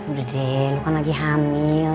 udah deh lu kan lagi hamil